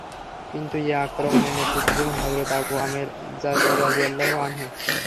কিন্তু এ আক্রমণের নেতৃত্ব দিবেন হযরত আবু আমের রাযিয়াল্লাহু আনহু।